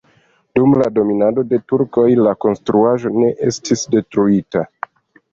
Dum dominado de turkoj la konstruaĵo ne estis detruita.